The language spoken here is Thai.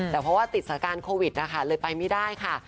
แต่เพราะว่าติดสระการโควิดเลยไปไม่ได้ค่ะ